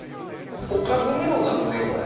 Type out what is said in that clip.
おかずにもなるねこれ。